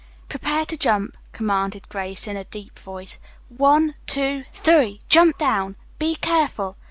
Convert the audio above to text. "Prepare to jump," commanded Grace in a deep voice. "One, two, three! Jump down! Be careful!"